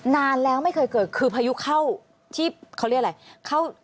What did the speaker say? นานแล้วไม่เคยเกิดคือพายุเข้าที่เขาเรียกอะไร